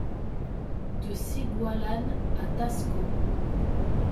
De Cigualan à Tasco